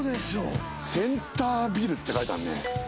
「センタービル」って書いてあるね。